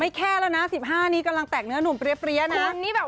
แค่แล้วนะ๑๕นี้กำลังแตกเนื้อหนุ่มเปรี้ยนะ